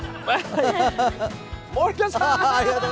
森田さーん！